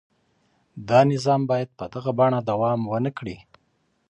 دا نظام باید په دغه بڼه دوام ونه کړي.